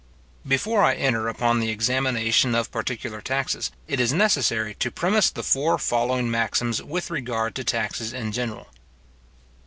Before I enter upon the examination of particular taxes, it is necessary to premise the four following maxims with regard to taxes in general.